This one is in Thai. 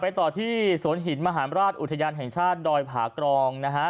ต่อที่สวนหินมหาราชอุทยานแห่งชาติดอยผากรองนะฮะ